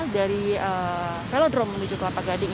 dari velodrome menuju kelapa gading